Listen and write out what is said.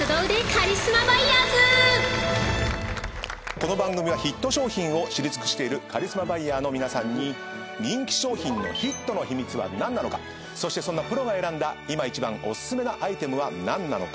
この番組はヒット商品を知り尽くしているカリスマバイヤーの皆さんに人気商品のヒットの秘密は何なのかそしてそんなプロが選んだ今一番おすすめアイテムは何なのか。